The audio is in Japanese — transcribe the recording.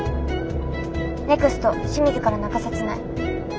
ネクスト清水から中札内。